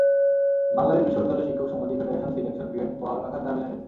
বাংলাদেশ বিশ্ববিদ্যালয় শিক্ষক সমিতি ফেডারেশন সিলেকশন গ্রেড বহাল রাখার দাবি জানিয়েছে।